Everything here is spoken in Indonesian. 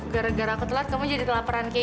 gara gara aku telat kamu jadi telaperan kayak gitu